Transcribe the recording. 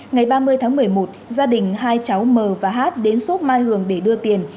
ngày ba mươi tháng một mươi một gia đình hai cháu m và hát đến xốp mai hường để đưa tiền